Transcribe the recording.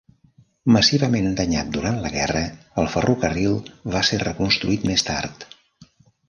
Massivament danyat durant la guerra, el ferrocarril va ser reconstruït més tard.